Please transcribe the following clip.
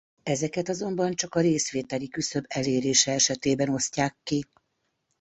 Ezeket azonban csak a részvételi küszöb elérése esetében osztják ki.